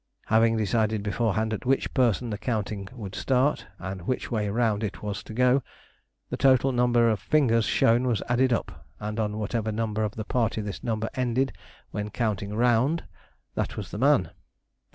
Having decided beforehand at which person the counting would start, and which way round it was to go, the total number of fingers shown was added up and on whatever member of the party this number ended when counting round, that was the man.